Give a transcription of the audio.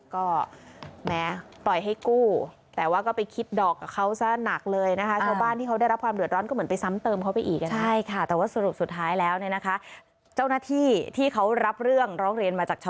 ก็แม้ปล่อยให้กู้แต่ว่าก็ไปคิดดอกกับเขาซะหนักเลยนะคะ